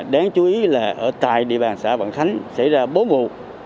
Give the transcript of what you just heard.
đáng chú ý là ở tại địa bàn xã vạn khánh xảy ra bốn vụ